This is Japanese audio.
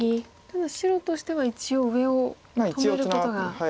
ただ白としては一応上を止めることが。